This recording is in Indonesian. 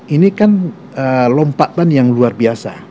ini kan lompatan yang luar biasa